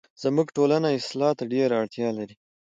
زموږ ټولنه اصلاح ته ډيره اړتیا لري